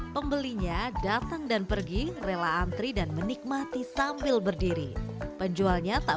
pembelinya datang dan pergi rela antri dan menikmati sambil berdiri penjualnya tak